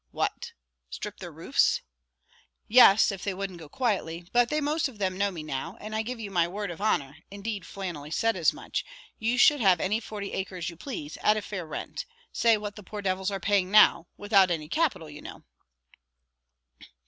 "What! strip their roofs?" "Yes, if they wouldn't go quietly; but they most of them know me now; and I give you my word of honour indeed, Flannelly said as much you should have any forty acres you please, at a fair rent. Say what the poor devils are paying now, without any capital you know."